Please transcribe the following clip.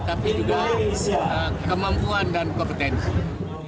tapi juga kemampuan dan kompetensi